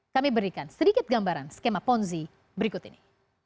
kami berikan sedikit gambaran skema ponzi berikut ini